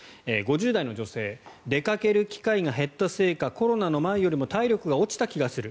５０代の女性出かける機会が減ったせいかコロナの前よりも体力が落ちた気がする。